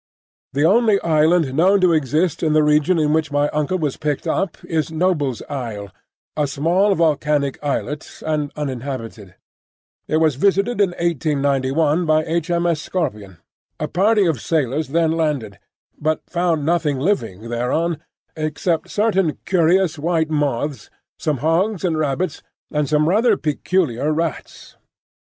The only island known to exist in the region in which my uncle was picked up is Noble's Isle, a small volcanic islet and uninhabited. It was visited in 1891 by H. M. S. Scorpion. A party of sailors then landed, but found nothing living thereon except certain curious white moths, some hogs and rabbits, and some rather peculiar rats.